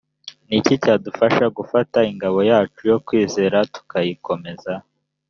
ni iki cyadufasha gufata ingabo yacu yo kwizera tukayikomeza